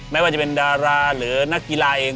ไม่ว่าจะเป็นดาราหรือนักกีฬาเอง